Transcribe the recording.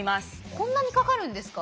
こんなにかかるんですか。